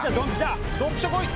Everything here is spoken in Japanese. ドンピシャこい！